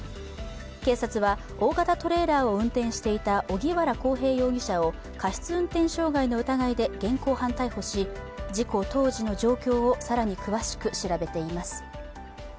警察は大型トレーラーを運転していた荻原航平容疑者を過失運転傷害の疑いで現行犯逮捕し、事故当時の状況を更に詳しく調べています。